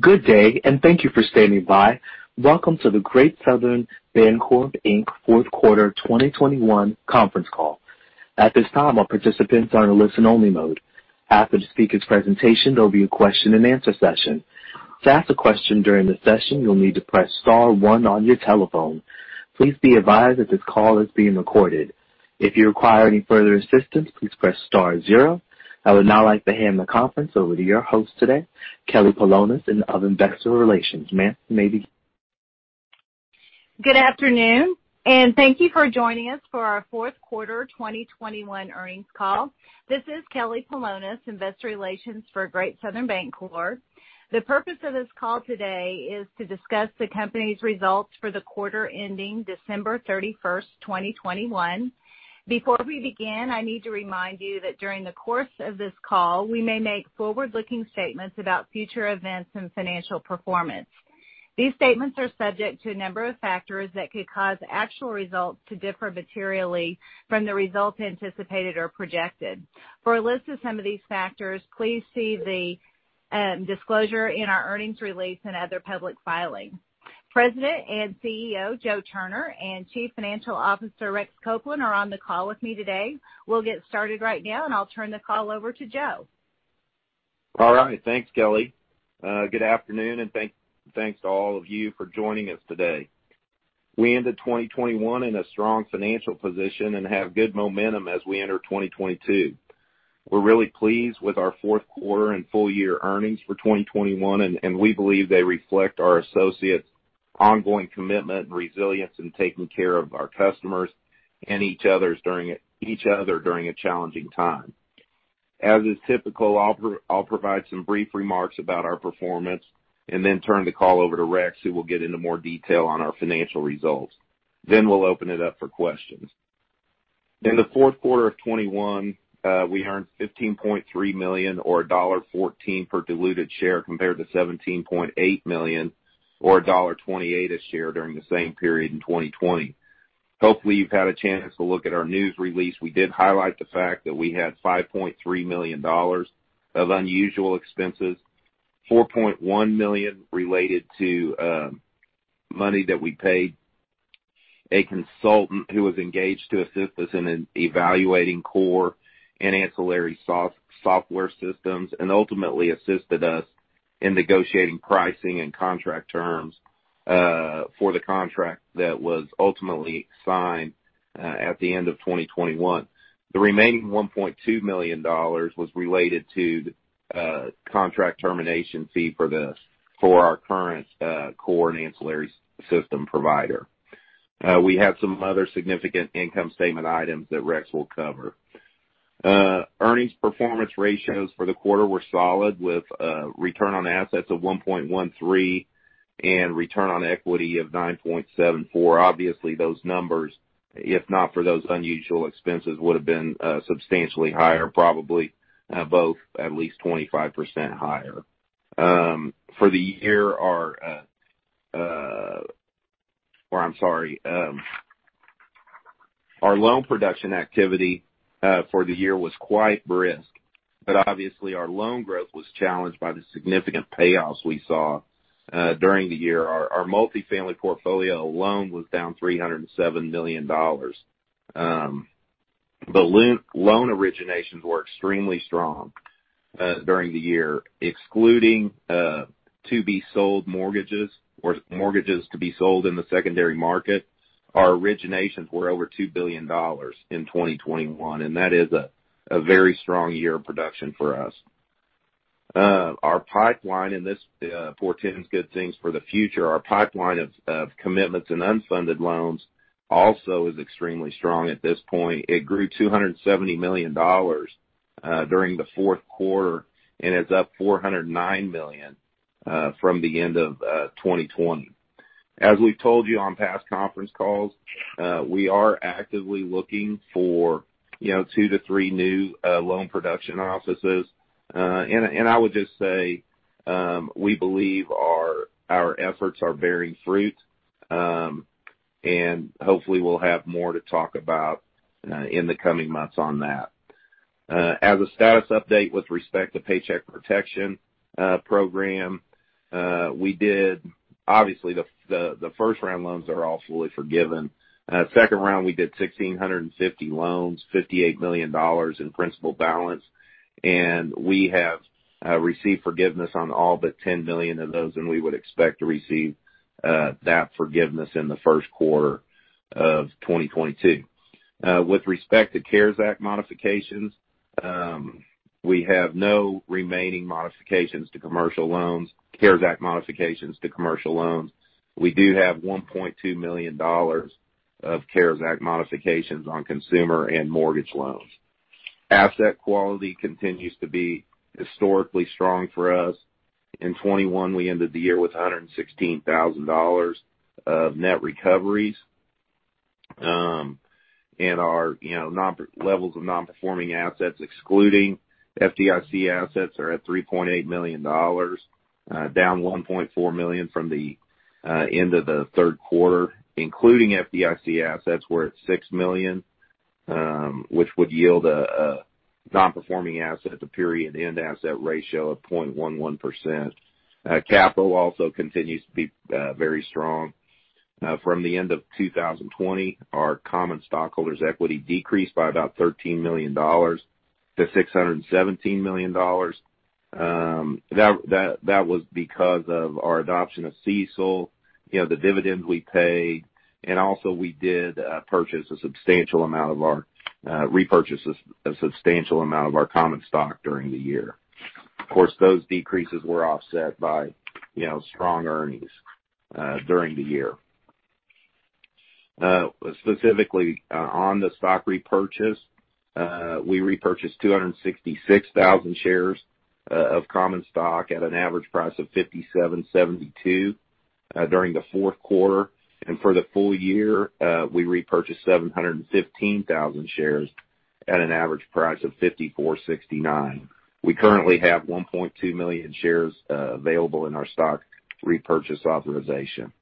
Good day, and thank you for standing by. Welcome to the Great Southern Bancorp, Inc. fourth quarter 2021 conference call. At this time, all participants are in a listen-only mode. After the speaker's presentation, there'll be a Q&A session. To ask a question during the session, you'll need to press star one on your telephone. Please be advised that this call is being recorded. If you require any further assistance, please press star zero. I would now like to hand the conference over to your host today, Kelly Polonus in Investor Relations. Ma'am, you may begin. Good afternoon, and thank you for joining us for our fourth quarter 2021 earnings call. This is Kelly Polonus, investor relations for Great Southern Bancorp. The purpose of this call today is to discuss the company's results for the quarter ending December 31st, 2021. Before we begin, I need to remind you that during the course of this call, we may make forward-looking statements about future events and financial performance. These statements are subject to a number of factors that could cause actual results to differ materially from the results anticipated or projected. For a list of some of these factors, please see the disclosure in our earnings release and other public filings. President and CEO Joe Turner and Chief Financial Officer Rex Copeland are on the call with me today. We'll get started right now, and I'll turn the call over to Joe. All right. Thanks, Kelly. Good afternoon, and thanks to all of you for joining us today. We ended 2021 in a strong financial position and have good momentum as we enter 2022. We're really pleased with our fourth quarter and full year earnings for 2021, and we believe they reflect our associates' ongoing commitment and resilience in taking care of our customers and each other during a challenging time. As is typical, I'll provide some brief remarks about our performance and then turn the call over to Rex, who will get into more detail on our financial results. Then we'll open it up for questions. In the fourth quarter of 2021, we earned $15.3 million or $1.14 per diluted share, compared to $17.8 million or $1.28 a share during the same period in 2020. Hopefully, you've had a chance to look at our news release. We did highlight the fact that we had $5.3 million of unusual expenses, $4.1 million related to money that we paid a consultant who was engaged to assist us in evaluating core and ancillary software systems and ultimately assisted us in negotiating pricing and contract terms for the contract that was ultimately signed at the end of 2021. The remaining $1.2 million was related to the contract termination fee for our current core and ancillary system provider. We had some other significant income statement items that Rex will cover. Earnings performance ratios for the quarter were solid, with return on assets of 1.13% and return on equity of 9.74%. Obviously, those numbers, if not for those unusual expenses, would have been substantially higher, probably both at least 25% higher. For the year, our loan production activity for the year was quite brisk, but obviously, our loan growth was challenged by the significant payoffs we saw during the year. Our multifamily portfolio alone was down $307 million. Loan originations were extremely strong during the year. Excluding to-be-sold mortgages or mortgages to be sold in the secondary market, our originations were over $2 billion in 2021, and that is a very strong year of production for us. Our pipeline, and this, portends good things for the future. Our pipeline of commitments and unfunded loans also is extremely strong at this point. It grew $270 million during the fourth quarter and is up $409 million from the end of 2020. As we've told you on past conference calls, we are actively looking for, you know, two to three new loan production offices. And I would just say, we believe our efforts are bearing fruit, and hopefully we'll have more to talk about in the coming months on that. As a status update with respect to Paycheck Protection Program, we did. Obviously, the first-round loans are all fully forgiven. Second round, we did 1,650 loans, $58 million in principal balance, and we have received forgiveness on all but $10 million of those, and we would expect to receive that forgiveness in the first quarter of 2022. With respect to CARES Act modifications, we have no remaining modifications to commercial loans, CARES Act modifications to commercial loans. We do have $1.2 million of CARES Act modifications on consumer and mortgage loans. Asset quality continues to be historically strong for us. In 2021, we ended the year with $116,000 of net recoveries. Our, you know, levels of non-performing assets, excluding FDIC assets, are at $3.8 million, down $1.4 million from the end of the third quarter. Including FDIC assets, we're at $6 million, which would yield a non-performing assets to period-end assets ratio of 0.11%. Capital also continues to be very strong. From the end of 2020, our common stockholders' equity decreased by about $13 million to $617 million. That was because of our adoption of CECL, you know, the dividends we pay, and also we did repurchase a substantial amount of our common stock during the year. Of course, those decreases were offset by, you know, strong earnings during the year. Specifically, on the stock repurchase, we repurchased 266,000 shares of common stock at an average price of $57.72 during the fourth quarter. For the full year, we repurchased 715,000 shares at an average price of $54.69. We currently have 1.2 million shares available in our stock repurchase authorization.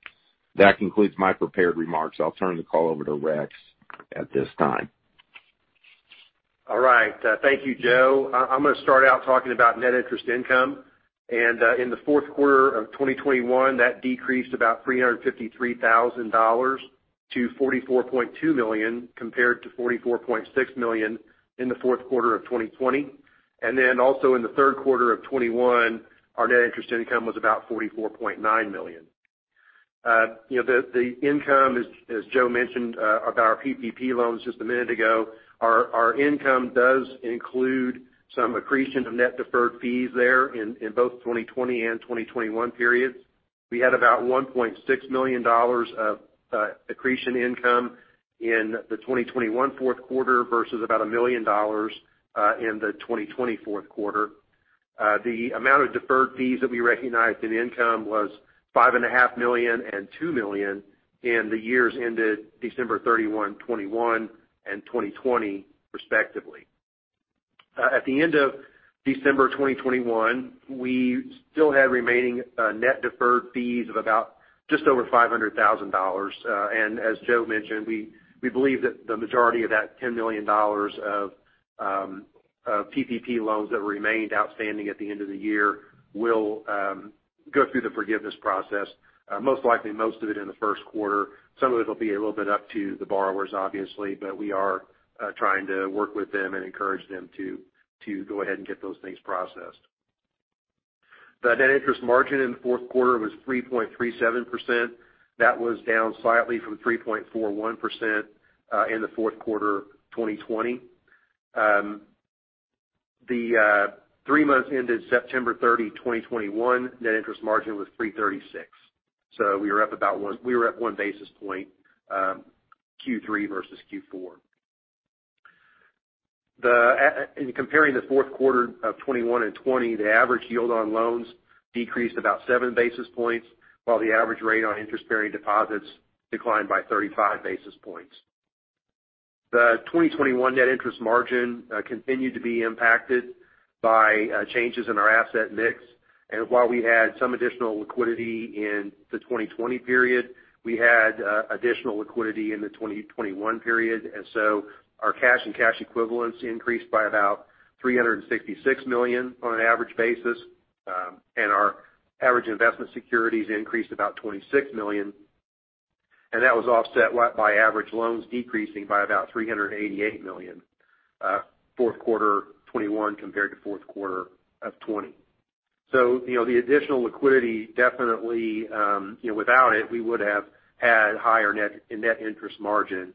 That concludes my prepared remarks. I'll turn the call over to Rex at this time. All right. Thank you, Joe. I'm gonna start out talking about net interest income. In the fourth quarter of 2021, that decreased about $353,000 to $44.2 million, compared to $44.6 million in the fourth quarter of 2020. Then also in the third quarter of 2021, our net interest income was about $44.9 million. You know, the income, as Joe mentioned, about our PPP loans just a minute ago, our income does include some accretion of net deferred fees there in both 2020 and 2021 periods. We had about $1.6 million of accretion income in the 2021 fourth quarter versus about $1 million in the 2020 fourth quarter. The amount of deferred fees that we recognized in income was $5.5 million and $2 million in the years ended December 31, 2021 and 2020 respectively. At the end of December 2021, we still had remaining net deferred fees of about just over $500,000. As Joe mentioned, we believe that the majority of that $10 million of PPP loans that remained outstanding at the end of the year will go through the forgiveness process, most likely most of it in the first quarter. Some of it will be a little bit up to the borrowers, obviously, but we are trying to work with them and encourage them to go ahead and get those things processed. The net interest margin in the fourth quarter was 3.37%. That was down slightly from 3.41% in the fourth quarter of 2020. The three months ended September 30, 2021, net interest margin was 3.36%. We were up about 1 basis point Q3 versus Q4. In comparing the fourth quarter of 2021 and 2020, the average yield on loans decreased about 7 basis points, while the average rate on interest-bearing deposits declined by 35 basis points. The 2021 net interest margin continued to be impacted by changes in our asset mix. While we had some additional liquidity in the 2020 period, we had additional liquidity in the 2021 period. Our cash and cash equivalents increased by about $366 million on an average basis. Our average investment securities increased about $26 million. That was offset by average loans decreasing by about $388 million, fourth quarter 2021 compared to fourth quarter of 2020. You know, the additional liquidity definitely, you know, without it, we would have had higher net and net interest margin,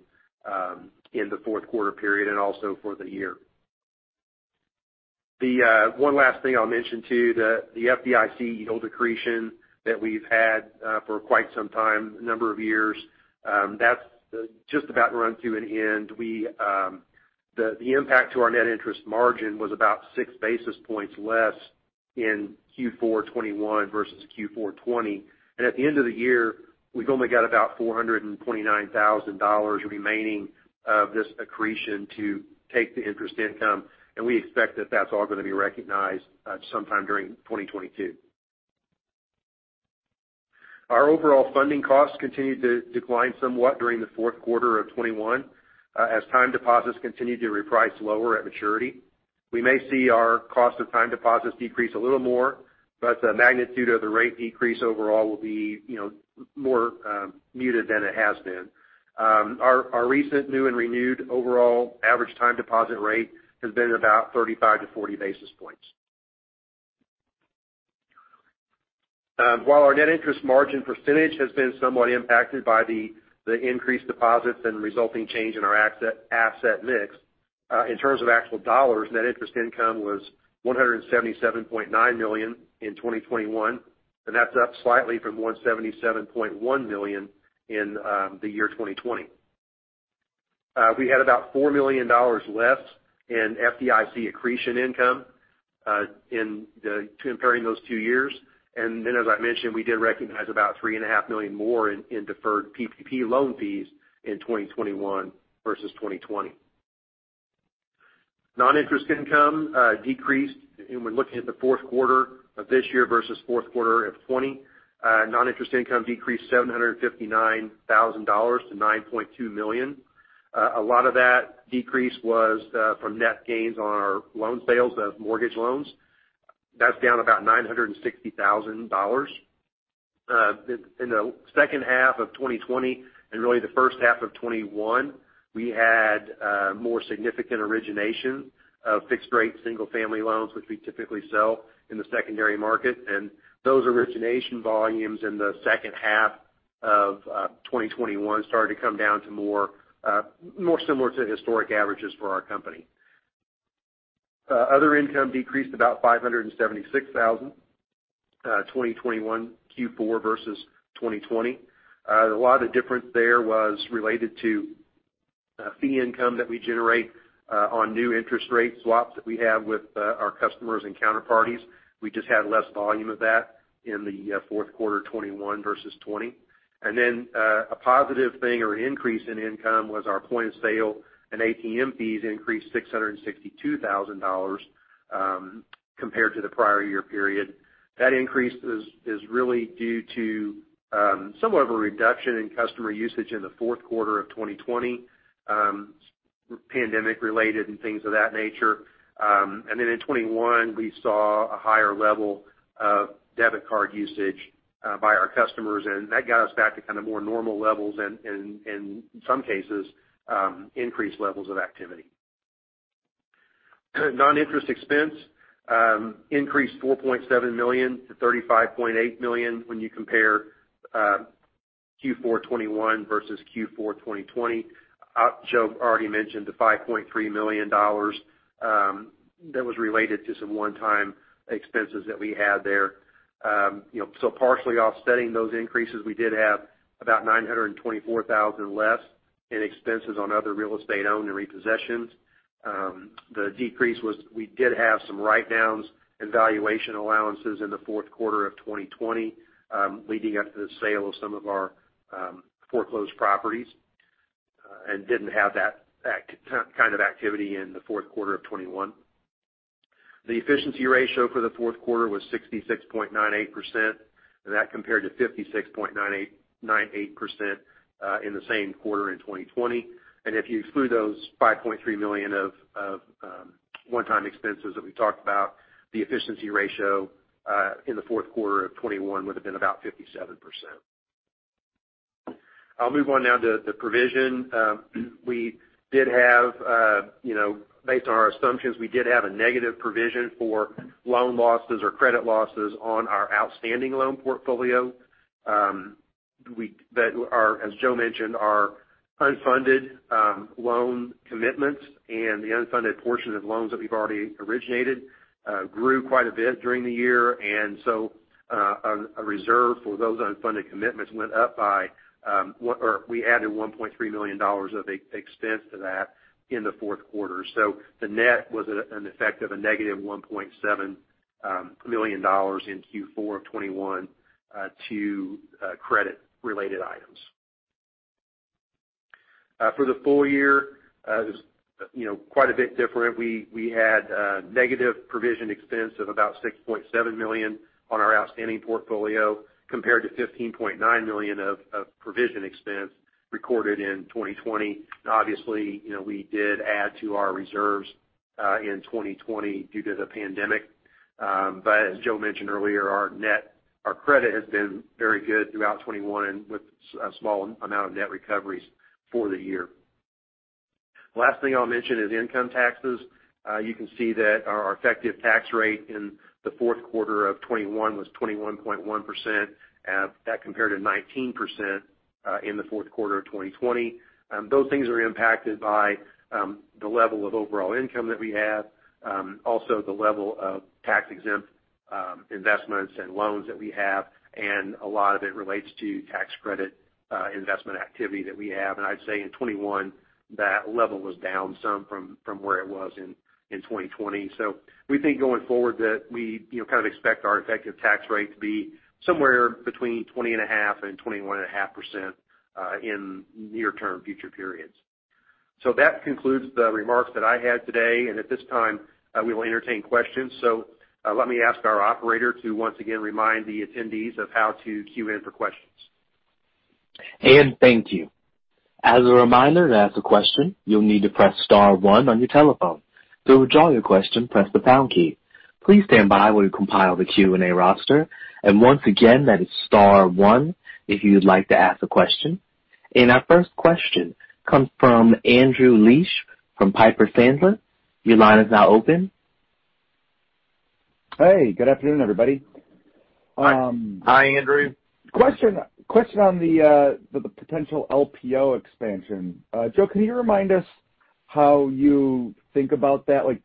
in the fourth quarter period and also for the year. The one last thing I'll mention to you, the FDIC yield accretion that we've had, for quite some time, a number of years, that's just about run to an end. We, the impact to our net interest margin was about 6 basis points less in Q4 2021 versus Q4 2020. At the end of the year, we've only got about $429,000 remaining of this accretion to take the interest income, and we expect that that's all gonna be recognized sometime during 2022. Our overall funding costs continued to decline somewhat during the fourth quarter of 2021 as time deposits continued to reprice lower at maturity. We may see our cost of time deposits decrease a little more, but the magnitude of the rate decrease overall will be, you know, more muted than it has been. Our recent new and renewed overall average time deposit rate has been about 35-40 basis points. While our net interest margin percentage has been somewhat impacted by the increased deposits and resulting change in our asset mix, in terms of actual dollars, net interest income was $177.9 million in 2021, and that's up slightly from $177.1 million in 2020. We had about $4 million less in FDIC accretion income comparing those two years. As I mentioned, we did recognize about $3.5 million more in deferred PPP loan fees in 2021 versus 2020. Non-interest income decreased, and we're looking at the fourth quarter of this year versus fourth quarter of 2020. Non-interest income decreased $759,000 to $9.2 million. A lot of that decrease was from net gains on our loan sales of mortgage loans. That's down about $960,000. In the second half of 2020, and really the first half of 2021, we had more significant origination of fixed rate single family loans, which we typically sell in the secondary market. Those origination volumes in the second half of 2021 started to come down to more similar to historic averages for our company. Other income decreased about $576,000, 2021 Q4 versus 2020. A lot of the difference there was related to fee income that we generate on new interest rate swaps that we have with our customers and counterparties. We just had less volume of that in the fourth quarter 2021 versus 2020. A positive thing or an increase in income was our point-of-sale and ATM fees increased $662,000, compared to the prior year period. That increase is really due to somewhat of a reduction in customer usage in the fourth quarter of 2020, pandemic-related and things of that nature. In 2021, we saw a higher level of debit card usage by our customers, and that got us back to kind of more normal levels and in some cases increased levels of activity. Non-interest expense increased $4.7 million to $35.8 million when you compare Q4 2021 versus Q4 2020. Joe already mentioned the $5.3 million that was related to some one-time expenses that we had there. You know, partially offsetting those increases, we did have about $924,000 less in expenses on other real estate owned and repossessions. The decrease was, we did have some write-downs and valuation allowances in the fourth quarter of 2020, leading up to the sale of some of our foreclosed properties, and didn't have that kind of activity in the fourth quarter of 2021. The efficiency ratio for the fourth quarter was 66.98%, and that compared to 56.98% in the same quarter in 2020. If you exclude those $5.3 million of one-time expenses that we talked about, the efficiency ratio in the fourth quarter of 2021 would've been about 57%. I'll move on now to the provision. We did have, you know, based on our assumptions, we did have a negative provision for loan losses or credit losses on our outstanding loan portfolio. That are, as Joe mentioned, unfunded loan commitments and the unfunded portion of loans that we've already originated grew quite a bit during the year. A reserve for those unfunded commitments went up by or we added $1.3 million of expense to that in the fourth quarter. The net was an effect of a negative $1.7 million in Q4 of 2021 to credit related items. For the full year, you know, quite a bit different. We had negative provision expense of about $6.7 million on our outstanding portfolio, compared to $15.9 million of provision expense recorded in 2020. Obviously, you know, we did add to our reserves in 2020 due to the pandemic. As Joe mentioned earlier, our credit has been very good throughout 2021 and with a small amount of net recoveries for the year. Last thing I'll mention is income taxes. You can see that our effective tax rate in the fourth quarter of 2021 was 21.1%, that compared to 19% in the fourth quarter of 2020. Those things are impacted by the level of overall income that we have, also the level of tax-exempt investments and loans that we have, and a lot of it relates to tax credit investment activity that we have. I'd say in 2021, that level was down some from where it was in 2020. We think going forward that we, you know, kind of expect our effective tax rate to be somewhere between 20.5% and 21.5% in near-term future periods. That concludes the remarks that I had today, and at this time we will entertain questions. Let me ask our operator to once again remind the attendees of how to queue in for questions. Ian, thank you. As a reminder, to ask a question, you'll need to press star one on your telephone. To withdraw your question, press the pound key. Please stand by while we compile the Q&A roster. Once again, that is star one if you'd like to ask a question. Our first question comes from Andrew Liesch from Piper Sandler. Your line is now open. Hey, good afternoon, everybody. Hi, Andrew. Question on the potential LPO expansion. Joe, can you remind us how you think about that? Like,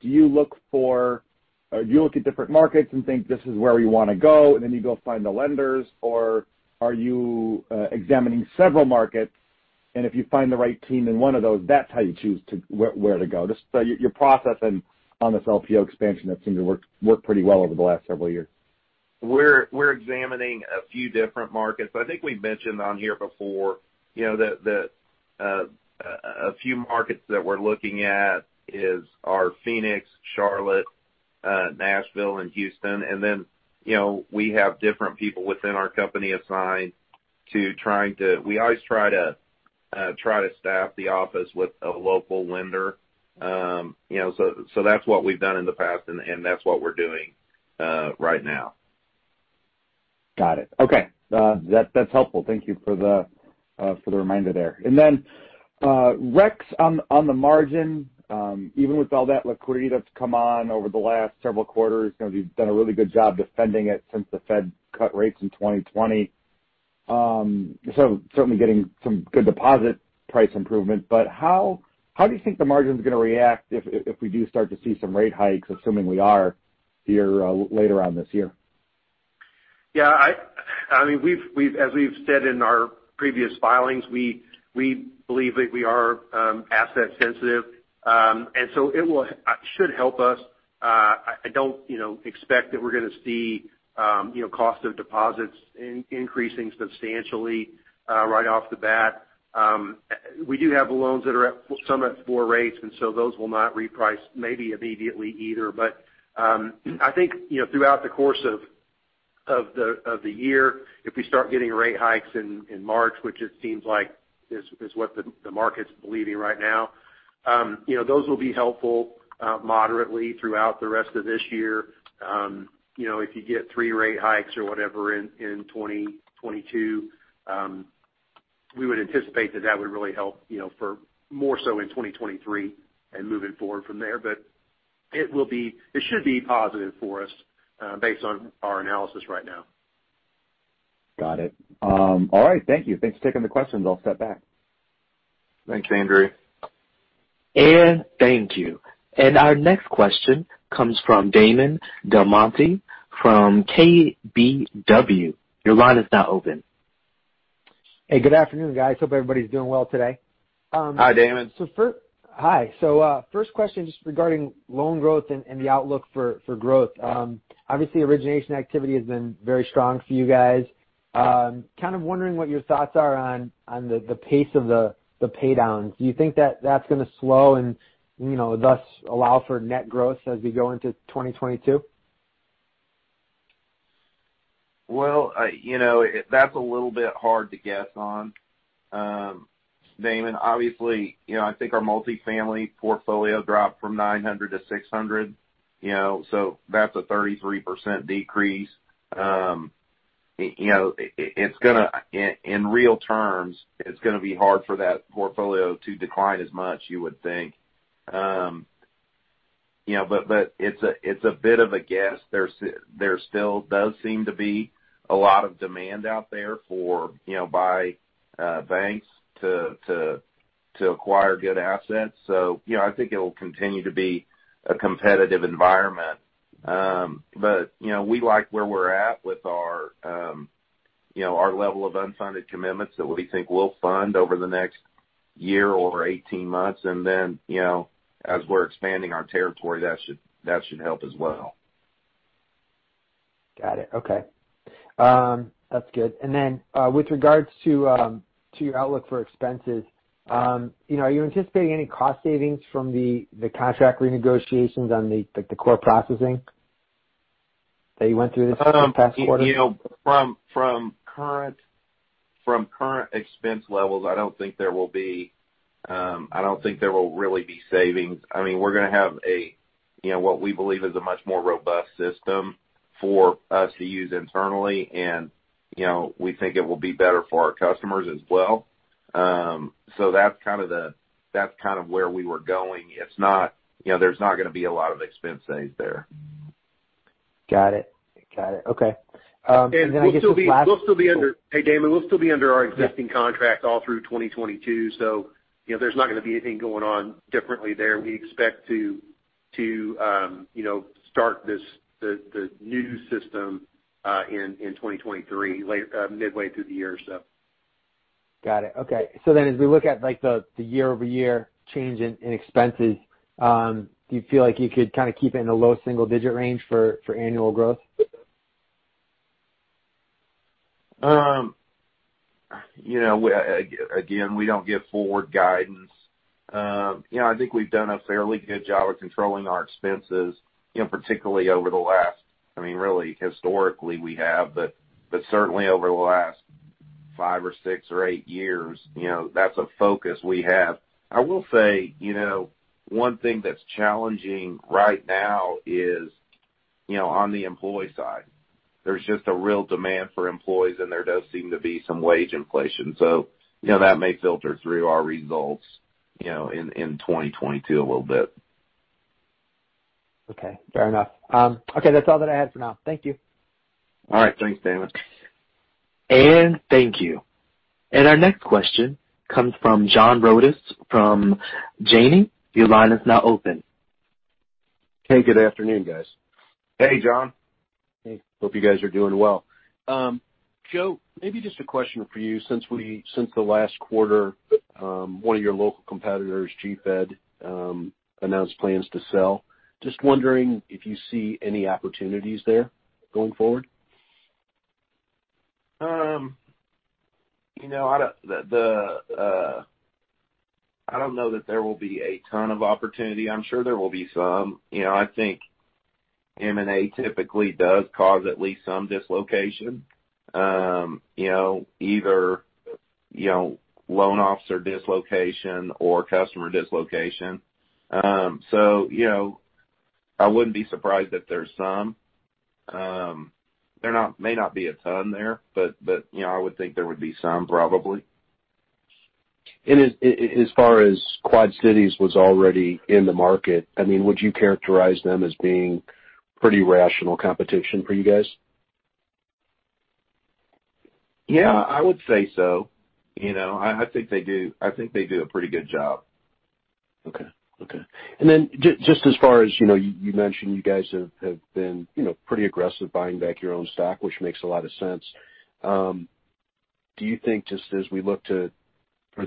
do you look at different markets and think this is where we wanna go, and then you go find the lenders? Or are you examining several markets, and if you find the right team in one of those, that's how you choose where to go? Just your process on this LPO expansion that seemed to work pretty well over the last several years. We're examining a few different markets. I think we've mentioned on here before, you know, a few markets that we're looking at are Phoenix, Charlotte, Nashville and Houston. You know, we have different people within our company assigned to. We always try to staff the office with a local lender. You know, so that's what we've done in the past, and that's what we're doing right now. Got it. Okay. That's helpful. Thank you for the reminder there. Rex, on the margin, even with all that liquidity that's come on over the last several quarters, you know, you've done a really good job defending it since the Fed cut rates in 2020. Certainly getting some good deposit price improvement, but how do you think the margin is gonna react if we do start to see some rate hikes, assuming we are here later on this year? Yeah, I mean, as we've said in our previous filings, we believe that we are asset sensitive. And so it should help us. I don't, you know, expect that we're gonna see, you know, cost of deposits increasing substantially, right off the bat. We do have loans that are at, some at floor rates, and so those will not reprice maybe immediately either. I think, you know, throughout the course of the year, if we start getting rate hikes in March, which it seems like is what the market's believing right now, you know, those will be helpful, moderately throughout the rest of this year. You know, if you get three rate hikes or whatever in 2022, we would anticipate that that would really help, you know, for more so in 2023 and moving forward from there. But it will be. It should be positive for us, based on our analysis right now. Got it. All right. Thank you. Thanks for taking the questions. I'll step back. Thanks, Andrew. Thank you. Our next question comes from Damon DelMonte from KBW. Your line is now open. Hey, good afternoon, guys. Hope everybody's doing well today. Hi, Damon. Hi. First question just regarding loan growth and the outlook for growth. Kind of wondering what your thoughts are on the pace of the pay downs. Do you think that that's gonna slow and, you know, thus allow for net growth as we go into 2022? Well, you know, that's a little bit hard to guess on, Damon. Obviously, you know, I think our multifamily portfolio dropped from 900 to 600, you know, so that's a 33% decrease. You know, it's gonna be hard for that portfolio to decline as much, you would think. You know, but it's a bit of a guess. There still does seem to be a lot of demand out there for, you know, by banks to acquire good assets. You know, I think it'll continue to be a competitive environment. You know, we like where we're at with our, you know, our level of unfunded commitments that we think we'll fund over the next year or 18 months. You know, as we're expanding our territory, that should help as well. Got it. Okay. That's good. With regards to your outlook for expenses, you know, are you anticipating any cost savings from the contract renegotiations on the core processing that you went through this past quarter? From current expense levels, I don't think there will really be savings. I mean, we're gonna have a, you know, what we believe is a much more robust system for us to use internally and, you know, we think it will be better for our customers as well. That's kind of where we were going. It's not, you know, there's not gonna be a lot of expense saves there. Got it. Okay. I guess the last. Hey, Damon. We'll still be under our existing contract all through 2022. You know, there's not gonna be anything going on differently there. We expect to you know, start the new system in 2023, midway through the year. Got it. Okay. As we look at, like, the year-over-year change in expenses, do you feel like you could kind of keep it in a low single digit range for annual growth? You know, again, we don't give forward guidance. You know, I think we've done a fairly good job of controlling our expenses, you know, particularly over the last, I mean, really historically we have, but certainly over the last five or six or eight years, you know, that's a focus we have. I will say, you know, one thing that's challenging right now is, you know, on the employee side. There's just a real demand for employees, and there does seem to be some wage inflation. You know, that may filter through our results, you know, in 2022 a little bit. Okay. Fair enough. Okay. That's all that I had for now. Thank you. All right. Thanks, Damon. Thank you. Our next question comes from John Rodis from Janney. Your line is now open. Hey, good afternoon, guys. Hey, John. Hey. Hope you guys are doing well. Joe, maybe just a question for you since the last quarter, one of your local competitors, GFED, announced plans to sell. Just wondering if you see any opportunities there going forward. You know, I don't know that there will be a ton of opportunity. I'm sure there will be some. You know, I think M&A typically does cause at least some dislocation, you know, either loan officer dislocation or customer dislocation. You know, I wouldn't be surprised that there's some. There may not be a ton there, but you know, I would think there would be some probably. As far as QCR Holdings was already in the market, I mean, would you characterize them as being pretty rational competition for you guys? Yeah, I would say so. You know, I think they do a pretty good job. Just as far as, you know, you mentioned you guys have been, you know, pretty aggressive buying back your own stock, which makes a lot of sense. Do you think just as we look forward to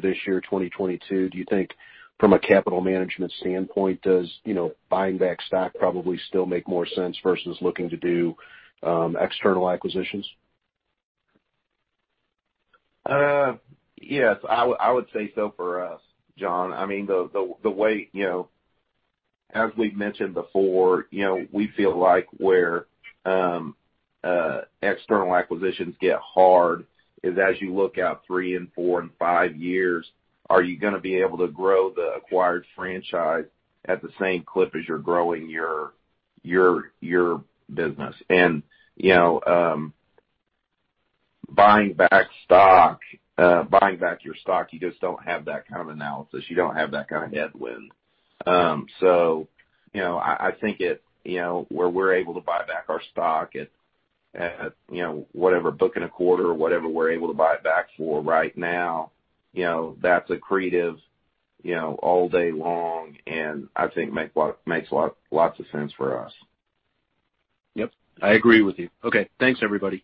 this year, 2022, do you think from a capital management standpoint, does, you know, buying back stock probably still make more sense versus looking to do external acquisitions? Yes. I would say so for us, John. I mean, the way, you know, as we've mentioned before, you know, we feel like where external acquisitions get hard is as you look out three, four, and five years, are you gonna be able to grow the acquired franchise at the same clip as you're growing your business? You know, buying back your stock, you just don't have that kind of analysis. You don't have that kind of headwind. You know, I think it, you know, where we're able to buy back our stock at, you know, whatever book in a quarter or whatever we're able to buy it back for right now, you know, that's accretive, you know, all day long, and I think it makes lots of sense for us. Yep. I agree with you. Okay, thanks everybody.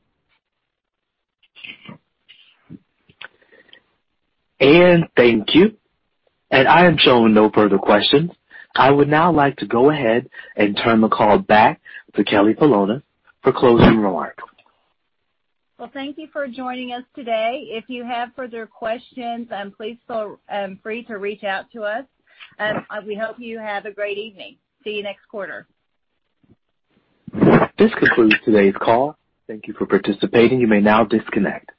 Thank you. I am showing no further questions. I would now like to go ahead and turn the call back to Kelly Polonus for closing remarks. Well, thank you for joining us today. If you have further questions, please feel free to reach out to us. We hope you have a great evening. See you next quarter. This concludes today's call. Thank you for participating. You may now disconnect.